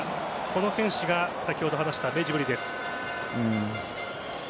この選手が先ほど話したメジブリです。